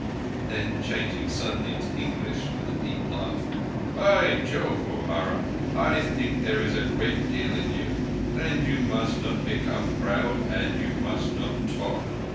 Then, changing suddenly into English with a deep laugh: "By Jove! O'Hara, I think there is a great deal in you; but you must not become proud and you must not talk.